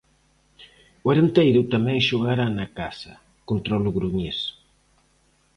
O Arenteiro tamén xogará na casa, contra o Logroñés.